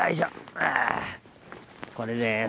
ああこれです。